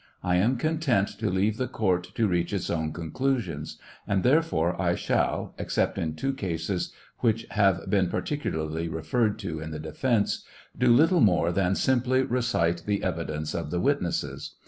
I am content to leave the court to reach its own conclusions ; and therefore I shall (except in two cases which have been particularly referred to in the defence) do little more than simply recite the evi dence of the witnesses.